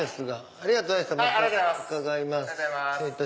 ありがとうございましたまた。